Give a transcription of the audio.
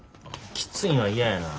きついんは嫌やな。